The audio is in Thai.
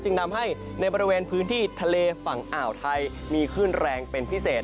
นำให้ในบริเวณพื้นที่ทะเลฝั่งอ่าวไทยมีคลื่นแรงเป็นพิเศษ